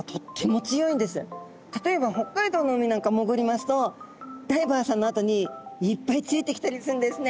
例えば北海道の海なんか潜りますとダイバーさんのあとにいっぱいついてきたりするんですね。